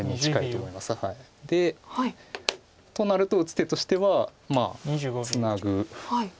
でとなると打つ手としてはツナぐ。